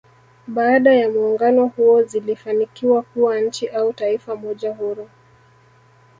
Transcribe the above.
Baada ya muungano huo zilifanikiwa kuwa nchi au Taifa moja huru